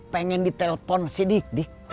pengen ditelepon si dik